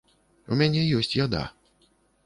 У мяне ёсць яда.